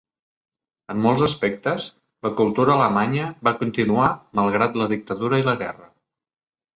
En molts aspectes, la cultura alemanya va continuar malgrat la dictadura i la guerra.